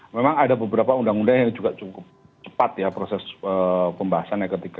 memang ada beberapa undang undang yang juga cukup cepat ya proses pembahasannya ketika